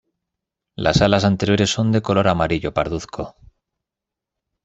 Las alas anteriores son de color amarillo parduzco.